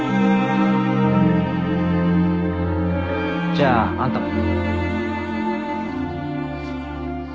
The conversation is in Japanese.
じゃああんたも。